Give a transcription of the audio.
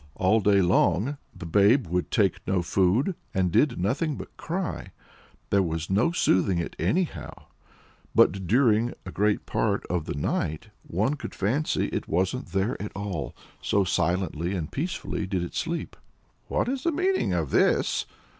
all day long the babe would take no food, and did nothing but cry; there was no soothing it anyhow. But during (a great part of) the night one could fancy it wasn't there at all, so silently and peacefully did it sleep. "What's the meaning of this?"